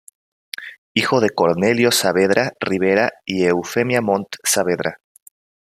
Hijo de Cornelio Saavedra Rivera y "Eufemia Montt Saavedra".